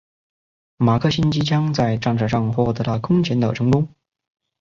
马克沁机枪在战场上获得了空前的成功。